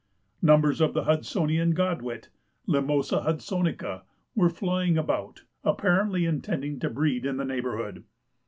Numbers of the Hudsonian godwit (limosa Hudsonica) were flying about, apparently intending to breed in the neighbourhood.